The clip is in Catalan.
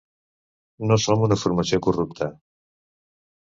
No som una formació corrupta.